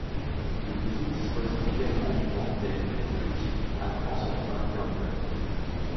Le musée dispose également d'une antenne plus petite à Grand Central Terminal.